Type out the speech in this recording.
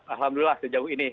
alhamdulillah sejauh ini